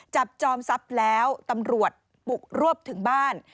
จอมทรัพย์แล้วตำรวจบุกรวบถึงบ้าน